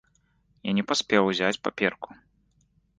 Я не паспеў узяць паперку.